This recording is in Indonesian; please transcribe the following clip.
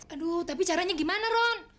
aduh tapi caranya gimana ron